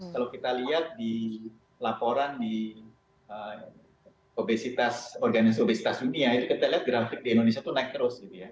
kalau kita lihat di laporan di organisasi obesitas dunia kita lihat grafik di indonesia itu naik terus